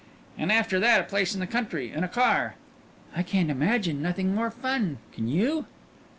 "And after that a place in the country and a car." "I can't imagine nothing more fun. Can you?"